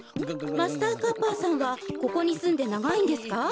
マスターカッパさんはここにすんでながいんですか？